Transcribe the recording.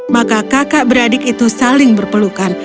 maka kakak beradik itu saling berpelukan